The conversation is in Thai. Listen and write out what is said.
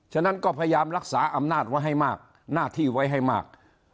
ฉะนั้นก็พยายามรักษาอำนาจไว้ให้มากหน้าที่ไว้ให้มาก